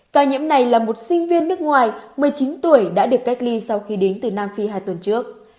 ca nhiễm này là một sinh viên nước ngoài một mươi chín tuổi đã được cách ly sau khi đến từ nam phi hai tuần trước